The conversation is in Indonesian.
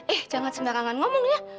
eh jangan sembarangan ngomong ya